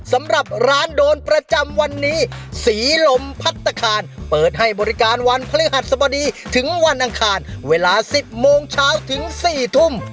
สำหรับร้านโดนประจำวันนี้ศรีลมพัฒนาคารเปิดให้บริการวันพฤหัสสบดีถึงวันอังคารเวลา๑๐โมงเช้าถึง๔ทุ่ม